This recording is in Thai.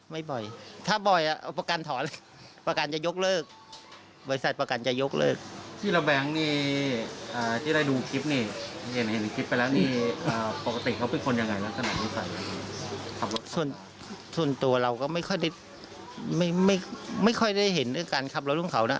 ไม่ค่อยได้เห็นด้วยการขับรถรุ่งเขานะ